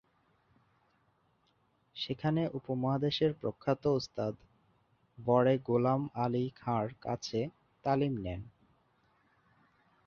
সেখানে উপমহাদেশের প্রখ্যাত ওস্তাদ বড়ে গোলাম আলী খাঁ’র কাছে তালিম নেন।